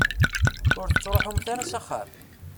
Ur tettruḥumt ara s axxam?